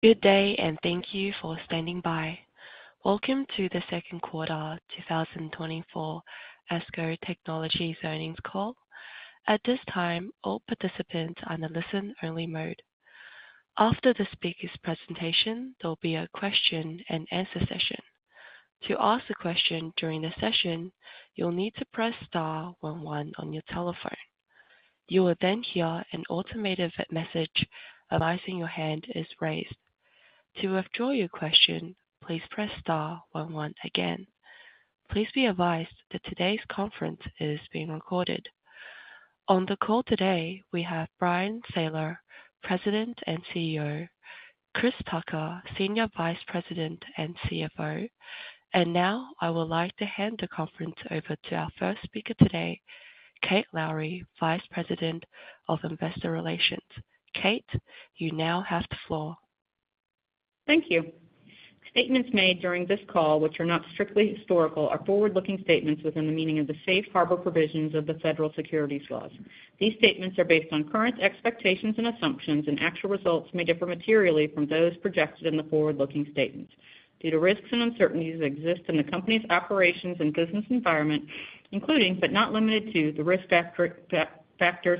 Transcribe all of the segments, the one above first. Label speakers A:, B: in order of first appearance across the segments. A: Good day, and thank you for standing by. Welcome to the Second Quarter 2024 ESCO Technologies Earnings Call. At this time, all participants are in a listen-only mode. After the speaker's presentation, there will be a question-and-answer session. To ask a question during the session, you'll need to press star one one on your telephone. You will then hear an automated message advising your hand is raised. To withdraw your question, please press star one one again. Please be advised that today's conference is being recorded. On the call today, we have Bryan Sayler, President and CEO, Chris Tucker, Senior Vice President and CFO. And now I would like to hand the conference over to our first speaker today, Kate Lowrey, Vice President of Investor Relations. Kate, you now have the floor.
B: Thank you. Statements made during this call, which are not strictly historical, are forward-looking statements within the meaning of the safe harbor provisions of the federal securities laws. These statements are based on current expectations and assumptions, and actual results may differ materially from those projected in the forward-looking statements due to risks and uncertainties that exist in the company's operations and business environment, including, but not limited to, the risk factors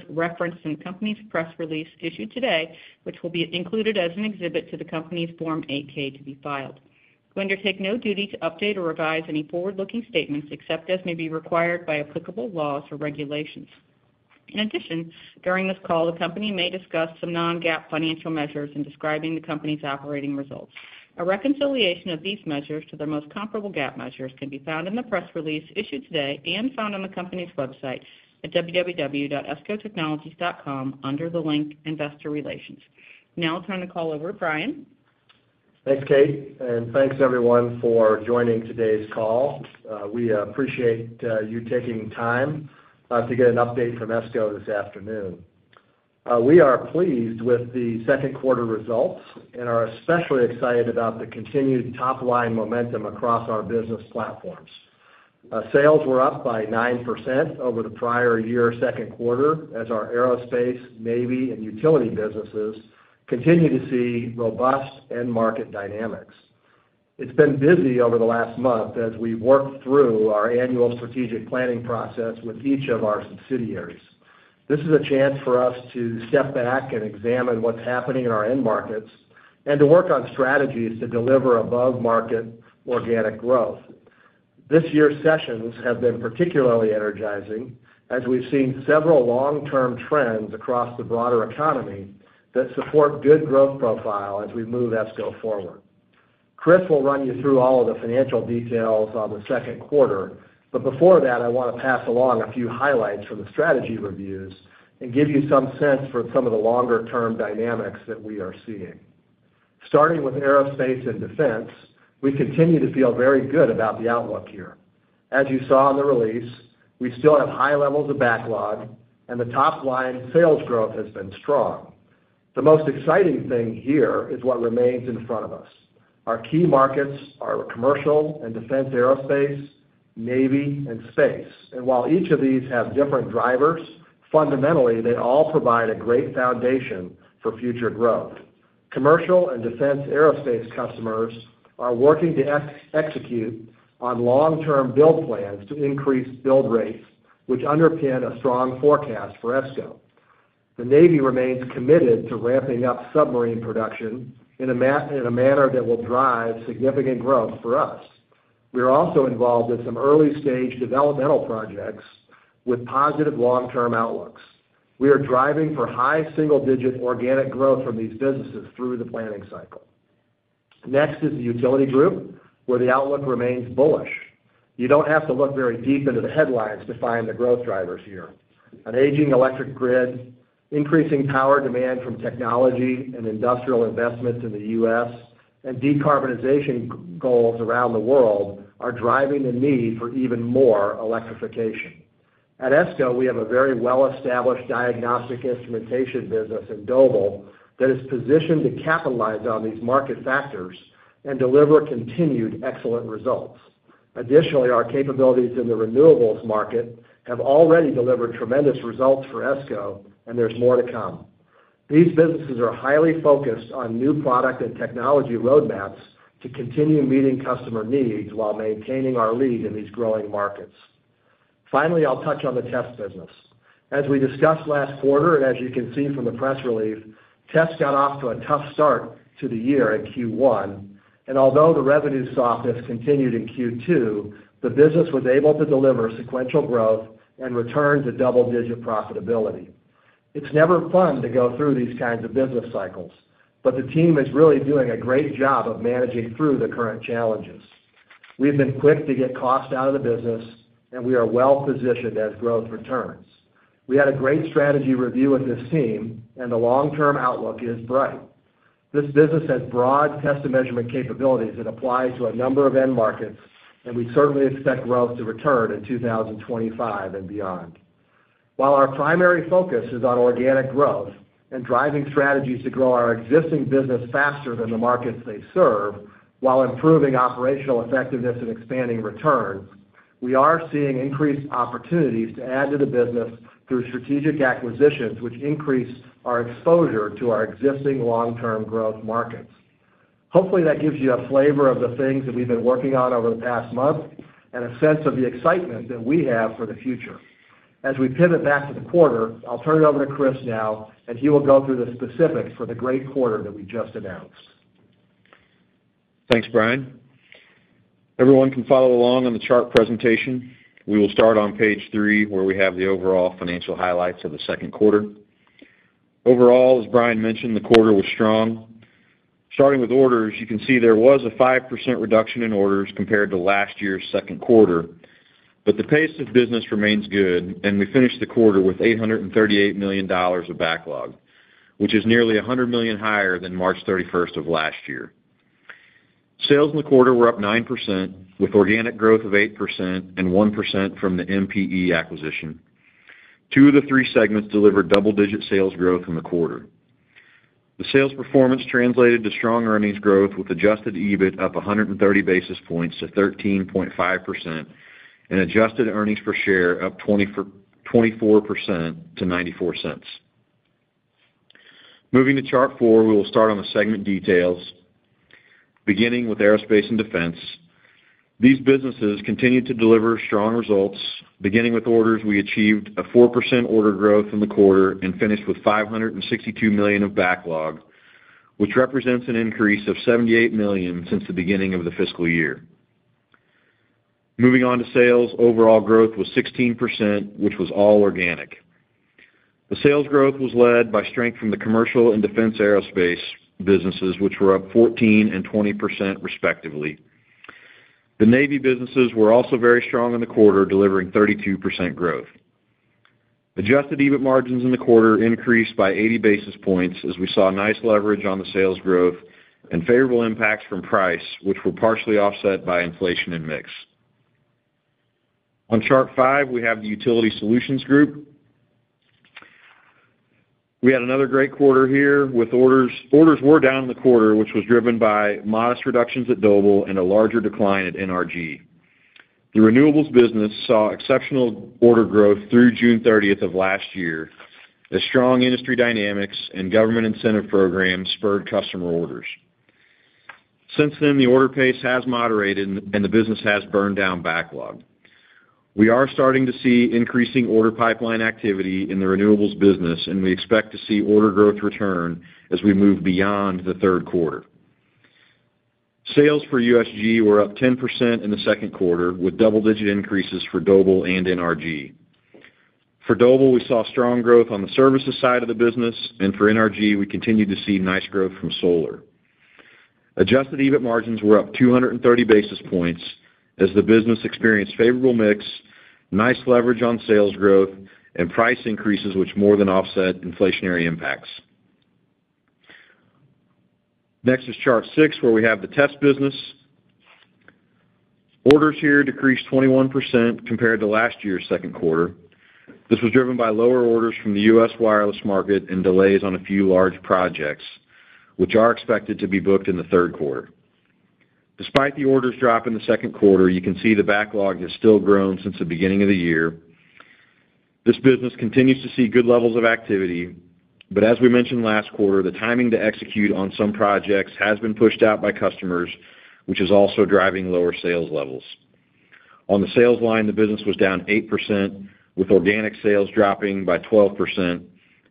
B: referenced in the company's press release issued today, which will be included as an exhibit to the company's Form 8-K to be filed. We undertake no duty to update or revise any forward-looking statements, except as may be required by applicable laws or regulations. In addition, during this call, the company may discuss some non-GAAP financial measures in describing the company's operating results. A reconciliation of these measures to their most comparable GAAP measures can be found in the press release issued today and found on the company's website at www.escotechnologies.com under the link Investor Relations. Now I'll turn the call over to Bryan.
C: Thanks, Kate, and thanks, everyone, for joining today's call. We appreciate you taking time to get an update from ESCO this afternoon. We are pleased with the second quarter results and are especially excited about the continued top-line momentum across our business platforms. Sales were up by 9% over the prior year second quarter, as our aerospace, Navy, and utility businesses continue to see robust end market dynamics. It's been busy over the last month as we've worked through our annual strategic planning process with each of our subsidiaries. This is a chance for us to step back and examine what's happening in our end markets and to work on strategies to deliver above-market organic growth. This year's sessions have been particularly energizing as we've seen several long-term trends across the broader economy that support good growth profile as we move ESCO forward. Chris will run you through all of the financial details on the second quarter, but before that, I want to pass along a few highlights from the strategy reviews and give you some sense for some of the longer-term dynamics that we are seeing. Starting with Aerospace & Defense, we continue to feel very good about the outlook here. As you saw in the release, we still have high levels of backlog, and the top-line sales growth has been strong. The most exciting thing here is what remains in front of us. Our key markets are commercial and defense aerospace, Navy, and space. And while each of these have different drivers, fundamentally, they all provide a great foundation for future growth. Commercial and defense aerospace customers are working to execute on long-term build plans to increase build rates, which underpin a strong forecast for ESCO. The Navy remains committed to ramping up submarine production in a manner that will drive significant growth for us. We are also involved in some early-stage developmental projects with positive long-term outlooks. We are driving for high single-digit organic growth from these businesses through the planning cycle. Next is the Utility Solutions Group, where the outlook remains bullish. You don't have to look very deep into the headlines to find the growth drivers here. An aging electric grid, increasing power demand from technology and industrial investments in the U.S., and decarbonization goals around the world are driving the need for even more electrification. At ESCO, we have a very well-established diagnostic instrumentation business in Doble Engineering that is positioned to capitalize on these market factors and deliver continued excellent results. Additionally, our capabilities in the renewables market have already delivered tremendous results for ESCO, and there's more to come. These businesses are highly focused on new product and technology roadmaps to continue meeting customer needs while maintaining our lead in these growing markets. Finally, I'll touch on the RF Test & Measurement business. As we discussed last quarter, and as you can see from the press release, RF Test & Measurement got off to a tough start to the year in Q1, and although the revenue softness continued in Q2, the business was able to deliver sequential growth and return to double-digit profitability. It's never fun to go through these kinds of business cycles, but the team is really doing a great job of managing through the current challenges. We've been quick to get costs out of the business, and we are well positioned as growth returns. We had a great strategy review with this team, and the long-term outlook is bright. This business has broad test and measurement capabilities that apply to a number of end markets, and we certainly expect growth to return in 2025 and beyond. While our primary focus is on organic growth and driving strategies to grow our existing business faster than the markets they serve, while improving operational effectiveness and expanding returns, we are seeing increased opportunities to add to the business through strategic acquisitions, which increase our exposure to our existing long-term growth markets. Hopefully, that gives you a flavor of the things that we've been working on over the past month, and a sense of the excitement that we have for the future. As we pivot back to the quarter, I'll turn it over to Chris now, and he will go through the specifics for the great quarter that we just announced.
D: Thanks, Bryan. Everyone can follow along on the chart presentation. We will start on page three, where we have the overall financial highlights of the second quarter. Overall, as Bryan mentioned, the quarter was strong. Starting with orders, you can see there was a 5% reduction in orders compared to last year's second quarter, but the pace of business remains good, and we finished the quarter with $838 million of backlog, which is nearly $100 million higher than March 31st of last year. Sales in the quarter were up 9%, with organic growth of 8% and 1% from the MPE acquisition. Two of the three segments delivered double-digit sales growth in the quarter. The sales performance translated to strong earnings growth, with Adjusted EBITDA up 100 basis points to 13.5% and Adjusted earnings per share up 24% to $0.94. Moving to chart four, we will start on the segment details, beginning with Aerospace & Defense. These businesses continued to deliver strong results. Beginning with orders, we achieved a 4% order growth in the quarter and finished with $562 million of backlog, which represents an increase of $78 million since the beginning of the fiscal year. Moving on to sales, overall growth was 16%, which was all organic. The sales growth was led by strength from the commercial and defense aerospace businesses, which were up 14% and 20%, respectively. The Navy businesses were also very strong in the quarter, delivering 32% growth. Adjusted EBITDA margins in the quarter increased by 80 basis points, as we saw nice leverage on the sales growth and favorable impacts from price, which were partially offset by inflation and mix. On chart five, we have the Utility Solutions Group. We had another great quarter here with orders. Orders were down in the quarter, which was driven by modest reductions at Doble Engineering and a larger decline at NRG Systems. The renewables business saw exceptional order growth through June 30th of last year, as strong industry dynamics and government incentive programs spurred customer orders. Since then, the order pace has moderated, and the business has burned down backlog. We are starting to see increasing order pipeline activity in the renewables business, and we expect to see order growth return as we move beyond the third quarter. Sales for USG were up 10% in the second quarter, with double-digit increases for Doble Engineering and NRG Systems. For Doble Engineering, we saw strong growth on the services side of the business, and for NRG Systems, we continued to see nice growth from solar. Adjusted EBITDA margins were up 230 basis points as the business experienced favorable mix, nice leverage on sales growth, and price increases, which more than offset inflationary impacts. Next is chart six, where we have the test business. Orders here decreased 21% compared to last year's second quarter. This was driven by lower orders from the U.S. wireless market and delays on a few large projects, which are expected to be booked in the third quarter. Despite the orders drop in the second quarter, you can see the backlog has still grown since the beginning of the year. This business continues to see good levels of activity, but as we mentioned last quarter, the timing to execute on some projects has been pushed out by customers, which is also driving lower sales levels. On the sales line, the business was down 8%, with organic sales dropping by 12%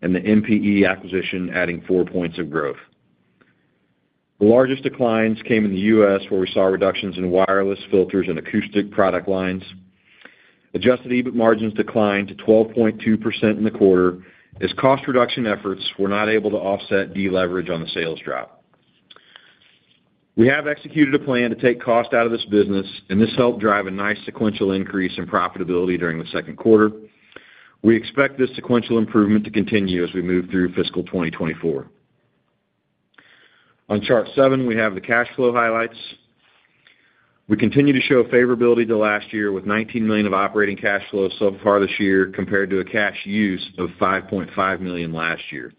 D: and the MPE acquisition adding 4 points of growth. The largest declines came in the U.S., where we saw reductions in wireless, filters, and acoustic product lines. Adjusted EBITDA margins declined to 12.2% in the quarter, as cost reduction efforts were not able to offset deleverage on the sales drop. We have executed a plan to take cost out of this business, and this helped drive a nice sequential increase in profitability during the second quarter. We expect this sequential improvement to continue as we move through fiscal year 2024. On chart seven, we have the cash flow highlights. We continue to show favorability to last year, with $19 million of operating cash flow so far this year, compared to a cash use of $5.5 million last year.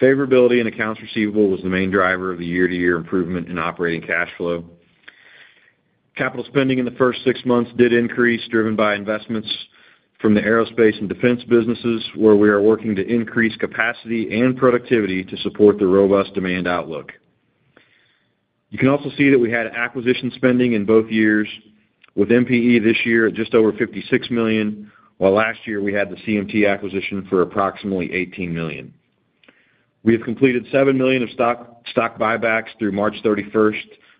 D: Favorability in accounts receivable was the main driver of the year-to-year improvement in operating cash flow. Capital spending in the first six months did increase, driven by investments from the Aerospace & Defense businesses, where we are working to increase capacity and productivity to support the robust demand outlook. You can also see that we had acquisition spending in both years, with MPE this year at just over $56 million, while last year we had the CMT Materials acquisition for approximately $18 million. We have completed $7 million of stock buybacks through March 31,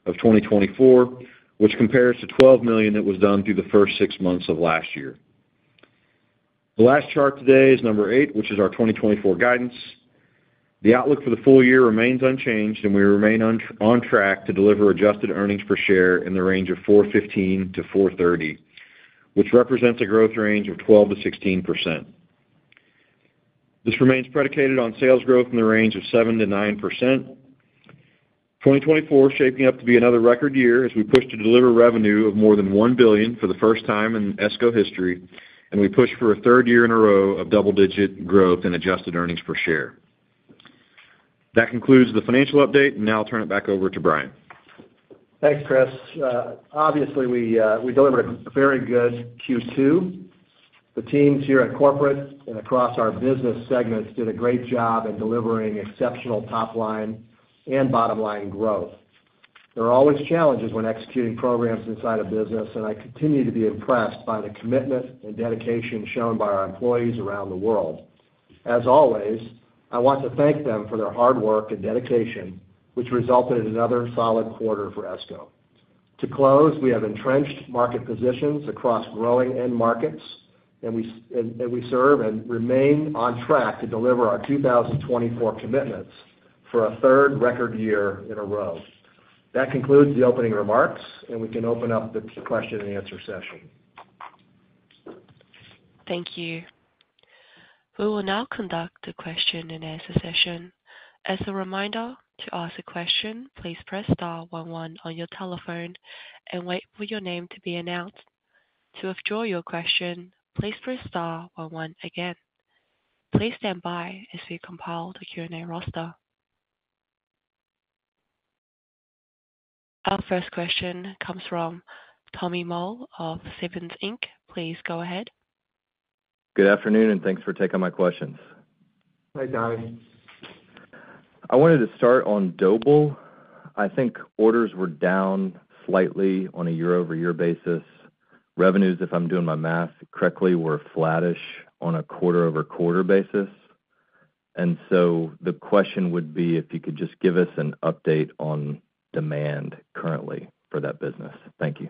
D: 2024, which compares to $12 million that was done through the first six months of last year. The last chart today is number eight, which is our 2024 guidance. The outlook for the full year remains unchanged, and we remain on, on track to deliver adjusted earnings per share in the range of $4.15-$4.30, which represents a growth range of 12%-16%. This remains predicated on sales growth in the range of 7%-9%. 2024 is shaping up to be another record year as we push to deliver revenue of more than $1 billion for the first time in ESCO history, and we push for a third year in a row of double-digit growth in adjusted earnings per share. That concludes the financial update, and now I'll turn it back over to Bryan.
C: Thanks, Chris. Obviously, we delivered a very good Q2. The teams here at corporate and across our business segments did a great job in delivering exceptional top-line and bottom-line growth. There are always challenges when executing programs inside a business, and I continue to be impressed by the commitment and dedication shown by our employees around the world. As always, I want to thank them for their hard work and dedication, which resulted in another solid quarter for ESCO. To close, we have entrenched market positions across growing end markets, and we serve and remain on track to deliver our 2024 commitments for a third record year in a row. That concludes the opening remarks, and we can open up the question-and-answer session.
A: Thank you. We will now conduct a question-and-answer session. As a reminder, to ask a question, please press star one one on your telephone and wait for your name to be announced. To withdraw your question, please press star one one again. Please stand by as we compile the Q&A roster. Our first question comes from Tommy Moll of Stephens Inc. Please go ahead.
E: Good afternoon, and thanks for taking my questions.
C: Hi, Tommy.
E: I wanted to start on Doble Engineering. I think orders were down slightly on a year-over-year basis. Revenues, if I'm doing my math correctly, were flattish on a quarter-over-quarter basis. And so the question would be, if you could just give us an update on demand currently for that business. Thank you.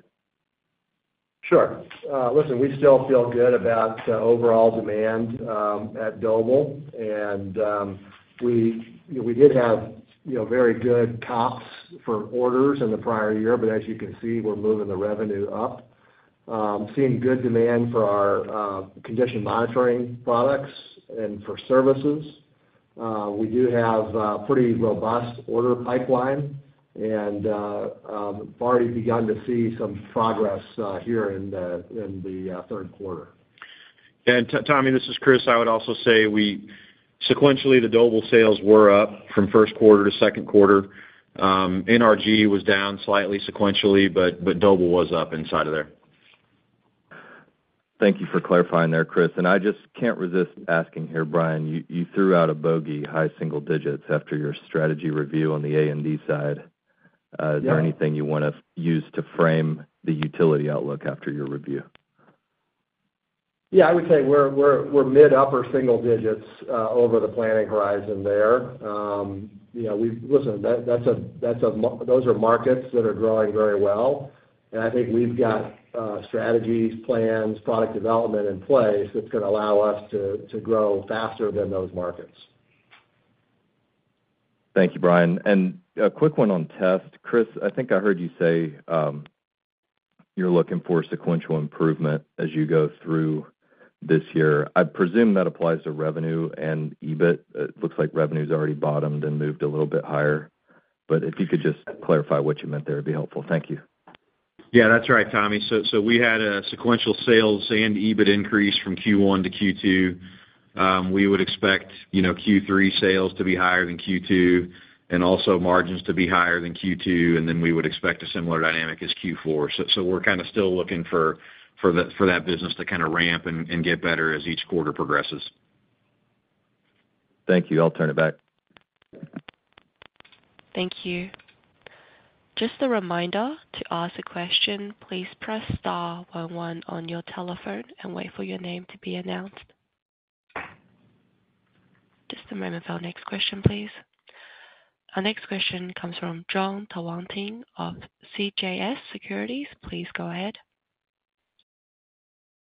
C: Sure. Listen, we still feel good about overall demand at Doble Engineering. And we did have, you know, very good comps for orders in the prior year, but as you can see, we're moving the revenue up. Seeing good demand for our condition monitoring products and for services. We do have a pretty robust order pipeline, and already begun to see some progress here in the third quarter.
D: Tommy, this is Chris. I would also say we sequentially, the Doble Engineering sales were up from first quarter to second quarter. NRG Systems was down slightly sequentially, but, but Doble Engineering was up inside of there.
E: Thank you for clarifying there, Chris. I just can't resist asking here, Bryan, you, you threw out a bogey, high single-digits after your strategy review on the A&D side.
C: Yeah.
E: Is there anything you want to use to frame the utility outlook after your review?
C: Yeah, I would say we're mid-upper single-digits over the planning horizon there. You know, we've, listen, those are markets that are growing very well, and I think we've got strategies, plans, product development in place that's going to allow us to grow faster than those markets.
E: Thank you, Bryan. A quick one on RF Test & Measurement. Chris, I think I heard you say, you're looking for sequential improvement as you go through this year. I presume that applies to revenue and EBITDA. It looks like revenue's already bottomed and moved a little bit higher. If you could just clarify what you meant there, it'd be helpful. Thank you.
D: Yeah, that's right, Tommy. So, we had a sequential sales and EBITDA increase from Q1 to Q2. We would expect, you know, Q3 sales to be higher than Q2, and also margins to be higher than Q2, and then we would expect a similar dynamic as Q4. So, we're kind of still looking for that business to kind of ramp and get better as each quarter progresses.
E: Thank you. I'll turn it back.
A: Thank you. Just a reminder, to ask a question, please press star one one on your telephone and wait for your name to be announced. Just a moment for our next question, please. Our next question comes from Jon Tanwanteng of CJS Securities. Please go ahead.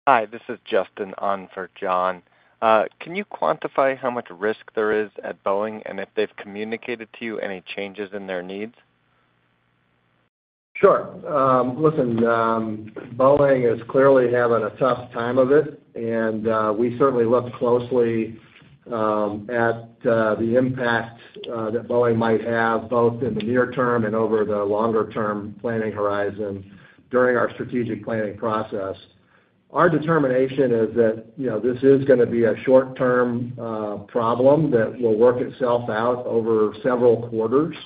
F: Hi, this is Justin on for Jon. Can you quantify how much risk there is at Boeing and if they've communicated to you any changes in their needs?
C: Sure. Listen, Boeing is clearly having a tough time of it, and we certainly look closely at the impact that Boeing might have, both in the near term and over the longer term planning horizon during our strategic planning process. Our determination is that, you know, this is gonna be a short-term problem that will work itself out over several quarters.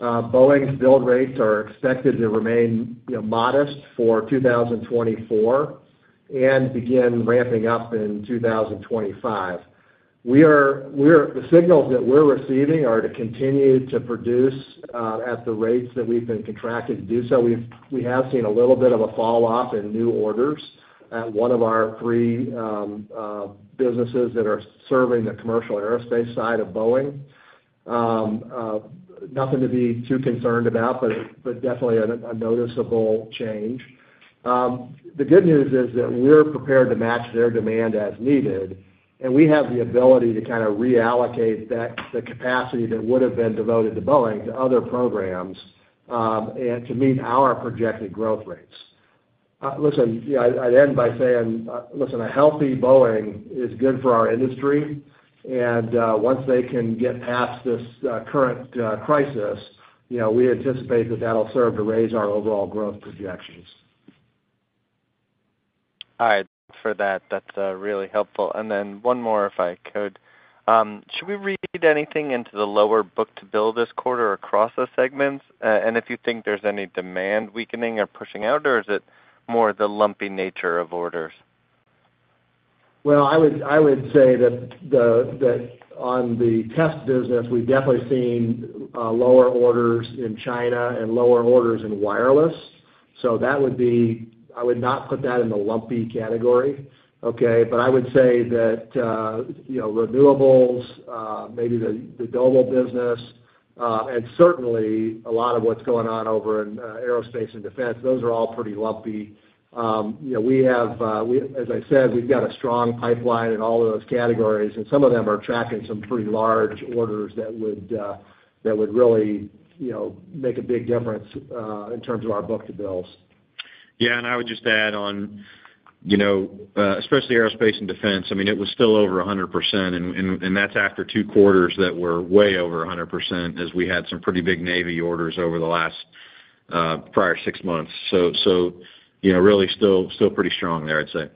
C: Boeing's build rates are expected to remain, you know, modest for 2024 and begin ramping up in 2025. The signals that we're receiving are to continue to produce at the rates that we've been contracted to do so. We've seen a little bit of a falloff in new orders at one of our three businesses that are serving the commercial aerospace side of Boeing. Nothing to be too concerned about, but definitely a noticeable change. The good news is that we're prepared to match their demand as needed, and we have the ability to kind of reallocate that, the capacity that would have been devoted to Boeing to other programs, and to meet our projected growth rates. Listen, yeah, I'd end by saying, listen, a healthy Boeing is good for our industry, and once they can get past this current crisis, you know, we anticipate that that'll serve to raise our overall growth projections.
F: All right, for that, that's really helpful. And then one more, if I could. Should we read anything into the lower book-to-bill this quarter across those segments? And if you think there's any demand weakening or pushing out, or is it more the lumpy nature of orders?
C: Well, I would say that on the RF Test & Measurement business, we've definitely seen lower orders in China and lower orders in wireless. So that would be. I would not put that in the lumpy category, okay? But I would say that, you know, renewables, maybe the global business, and certainly a lot of what's going on over in Aerospace & Defense, those are all pretty lumpy. You know, we have, as I said, we've got a strong pipeline in all of those categories, and some of them are tracking some pretty large orders that would really, you know, make a big difference in terms of our book-to-bills.
D: Yeah, and I would just add on, you know, especially Aerospace & Defense, I mean, it was still over 100%, and that's after two quarters that were way over 100%, as we had some pretty big Navy orders over the last prior six months. So, you know, really still pretty strong there, I'd say.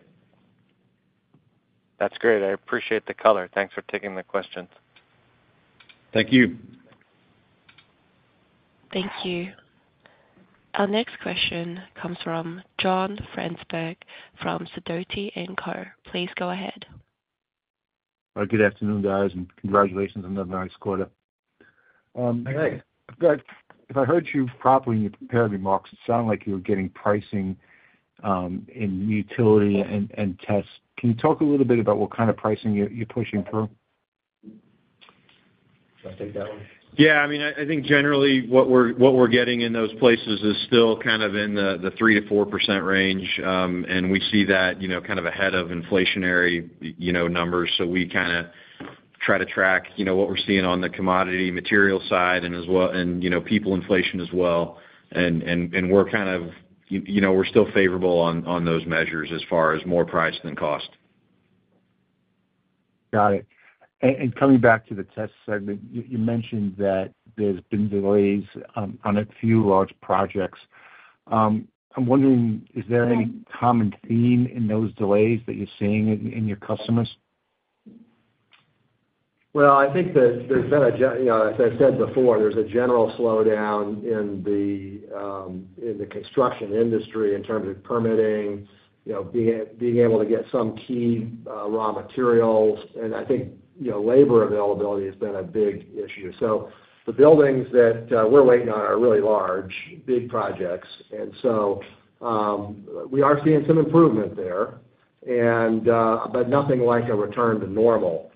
F: That's great. I appreciate the color. Thanks for taking the questions.
D: Thank you.
A: Thank you. Our next question comes from John Franzreb from Sidoti & Co. Please go ahead.
G: Good afternoon, guys, and congratulations on another nice quarter.
C: Hey.
G: If I heard you properly in your prepared remarks, it sounded like you were getting pricing in Utility Solutions Group and RF Test & Measurement. Can you talk a little bit about what kind of pricing you're pushing through?
C: Should I take that one?
D: Yeah, I mean, I think generally, what we're getting in those places is still kind of in the 3%-4% range. And we see that, you know, kind of ahead of inflationary, you know, numbers. So we kinda try to track, you know, what we're seeing on the commodity material side as well and, you know, people inflation as well. And we're kind of, you know, we're still favorable on those measures as far as more price than cost.
G: Got it. And coming back to the RF Test & Measurement segment, you mentioned that there's been delays on a few large projects. I'm wondering, is there any common theme in those delays that you're seeing in your customers?
C: Well, I think that there's been a, you know, as I said before, there's a general slowdown in the construction industry in terms of permitting, you know, being able to get some key raw materials, and I think, you know, labor availability has been a big issue. So the buildings that we're waiting on are really large, big projects, and so we are seeing some improvement there, and but nothing like a return to normal.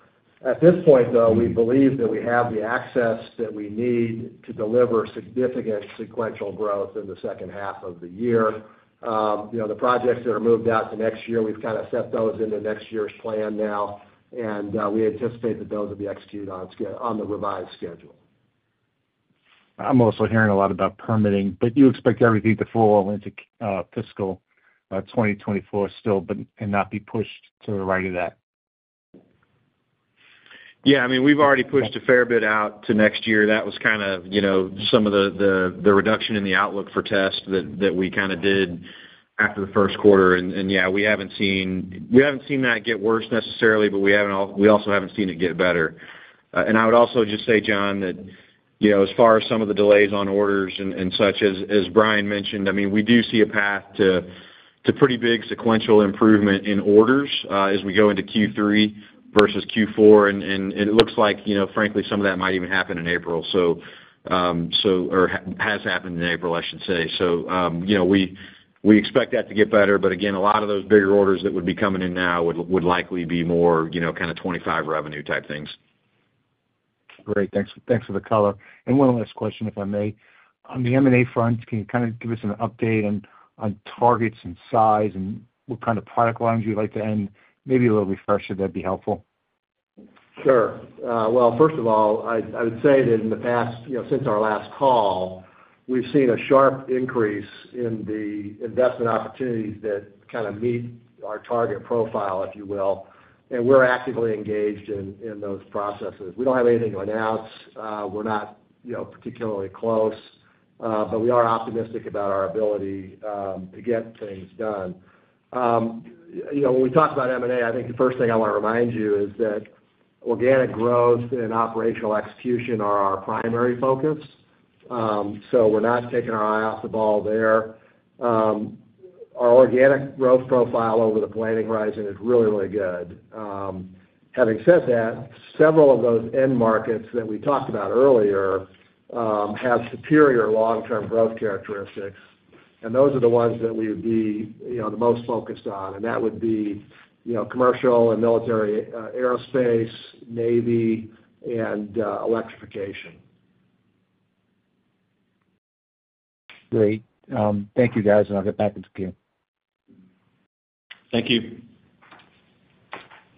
C: At this point, though, we believe that we have the access that we need to deliver significant sequential growth in the second half of the year. You know, the projects that are moved out to next year, we've kind of set those into next year's plan now, and we anticipate that those will be executed on the revised schedule.
G: I'm also hearing a lot about permitting, but you expect everything to fall into fiscal year 2024 still, but, and not be pushed to the right of that?
D: Yeah, I mean, we've already pushed a fair bit out to next year. That was kind of, you know, some of the reduction in the outlook for RF Test & Measurement that we kinda did after the first quarter. And, yeah, we haven't seen... We haven't seen that get worse necessarily, but we also haven't seen it get better. And I would also just say, John, that, you know, as far as some of the delays on orders and such as, as Bryan mentioned, I mean, we do see a path to pretty big sequential improvement in orders, as we go into Q3 versus Q4. And it looks like, you know, frankly, some of that might even happen in April. So, so has happened in April, I should say. So, you know, we expect that to get better. But again, a lot of those bigger orders that would be coming in now would likely be more, you know, kind of 2025 revenue type things.
G: Great. Thanks, thanks for the color. One last question, if I may. On the M&A front, can you kind of give us an update on, on targets and size and what kind of product lines you'd like to end? Maybe a little refresher, that'd be helpful.
C: Sure. Well, first of all, I would say that in the past, you know, since our last call, we've seen a sharp increase in the investment opportunities that kind of meet our target profile, if you will, and we're actively engaged in those processes. We don't have anything to announce, we're not, you know, particularly close, but we are optimistic about our ability to get things done. You know, when we talk about M&A, I think the first thing I want to remind you is that organic growth and operational execution are our primary focus. So we're not taking our eye off the ball there. Our organic growth profile over the planning horizon is really, really good. Having said that, several of those end markets that we talked about earlier have superior long-term growth characteristics, and those are the ones that we would be, you know, the most focused on, and that would be, you know, commercial and military aerospace, Navy, and electrification.
G: Great. Thank you, guys, and I'll get back into queue.
D: Thank you.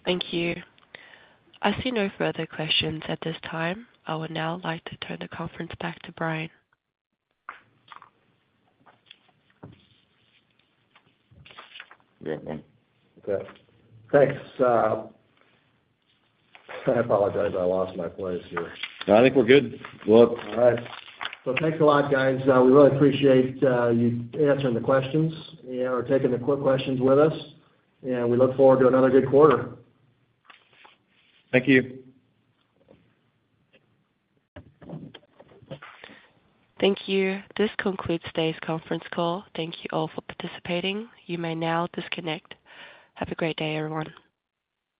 A: Thank you. I see no further questions at this time. I would now like to turn the conference back to Bryan.
C: Okay. Thanks. I apologize. I lost my place here.
D: I think we're good. Well.
C: All right. Well, thanks a lot, guys. We really appreciate you answering the questions, and we're taking the quick questions with us, and we look forward to another good quarter.
D: Thank you.
A: Thank you. This concludes today's conference call. Thank you all for participating. You may now disconnect. Have a great day, everyone.